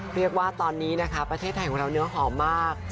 เรียกว่าตอนนี้นะคะประเทศไทยของเราเนื้อหอมมาก